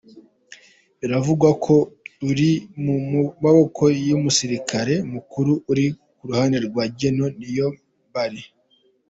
Biravugwa ko iri mu maboko y’umusirikare mukuru uri ku ruhande rwa Gen Niyombare